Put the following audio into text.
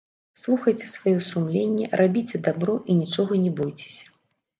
Слухайце сваё сумленне, рабіце дабро і нічога не бойцеся.